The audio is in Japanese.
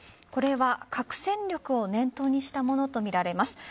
これは核戦力を念頭にしたものとみられます。